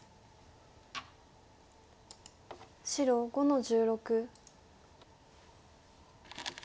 白５の十六。